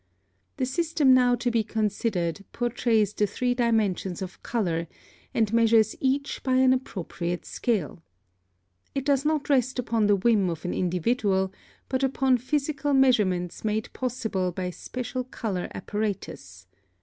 The system now to be considered portrays the three dimensions of color, and measures each by an appropriate scale. It does not rest upon the whim of an individual, but upon physical measurements made possible by special color apparatus.